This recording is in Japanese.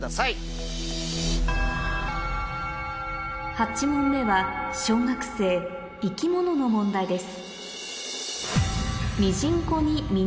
８問目は小学生の問題です